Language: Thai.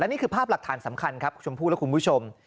นี่คือภาพหลักฐานสำคัญครับชมพู่และคุณผู้ชม